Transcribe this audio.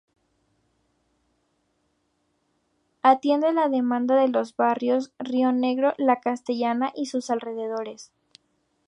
Atiende la demanda de los barrios Rionegro, La Castellana y sus alrededores.